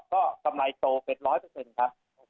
ใช่คำไรโตเป็นร้อยเปอร์เซ็นต์ครับ